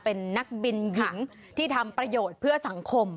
เป็นนักบินหญิงที่ทำประโยชน์เพื่อสังคม